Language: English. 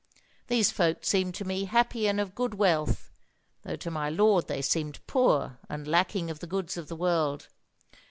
These folk seemed to me happy and of good wealth, though to my lord they seemed poor and lacking of the goods of the world.